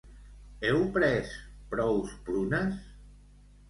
Heu pres prous prunes?